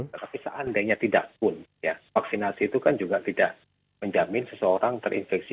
tetapi seandainya tidak pun ya vaksinasi itu kan juga tidak menjamin seseorang terinfeksi